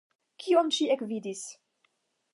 Kion ŝi ekvidis!